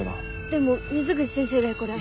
でも水口先生だよこれ。